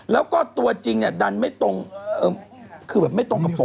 แล้วก็ตัวจริงเนี่ยดันไม่ตรงคือแบบไม่ตรงกับผม